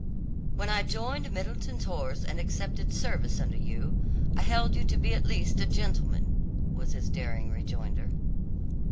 "When I joined Middleton's horse and accepted service under you, I held you to be at least a gentleman," was his daring rejoinder.